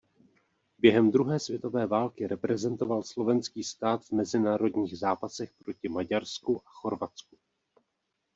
Během druhé světové války reprezentoval Slovenský stát v mezinárodních zápasech proti Maďarsku a Chorvatsku.